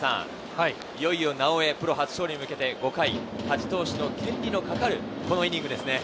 いよいよ直江、プロ初勝利に向けて５回、勝ち投手の権利のかかるイニングですね。